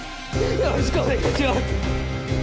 よろしくお願いします